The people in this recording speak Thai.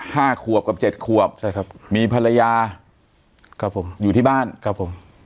ห้าขวบกับเจ็ดขวบใช่ครับมีภรรยาครับผมอยู่ที่บ้านครับผม